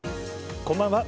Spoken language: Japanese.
こんばんは。